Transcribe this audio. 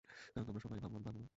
কারণ তোমরা সবাই ভাবো আমি পারবো না।